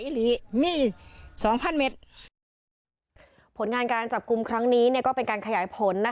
ผลงานการจับกลุ่มครั้งนี้ก็เป็นการขยายผล